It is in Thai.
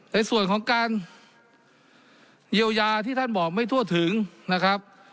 ในส่วนของการเยียวยาที่ท่านบอกไม่ทั่วถึงนะครับ